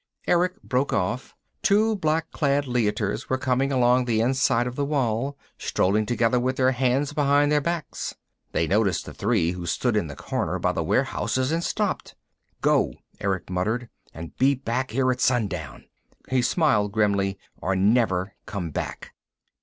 Erick broke off. Two black clad Leiters were coming along the inside of the wall, strolling together with their hands behind their backs. They noticed the three who stood in the corner by the warehouses and stopped. "Go," Erick muttered. "And be back here at sundown." He smiled grimly. "Or never come back."